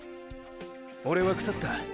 オレはくさった。